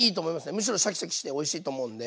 むしろシャキシャキしておいしいと思うんで。